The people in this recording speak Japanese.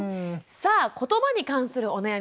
さあことばに関するお悩み。